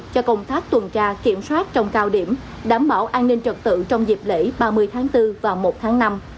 cho công tác tuần tra kiểm soát trong cao điểm đảm bảo an ninh trật tự trong dịp lễ ba mươi tháng bốn và một tháng năm